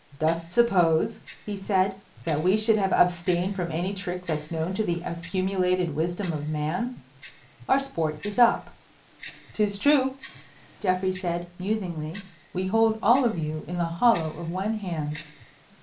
"Dost suppose," he said, "that we should have abstained from any trick that's known to the accumulated wisdom of man? Our sport is up." "'Tis true," Geoffrey said, musingly, "we hold all of you in the hollow of one hand."